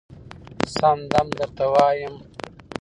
سم دم درته وايم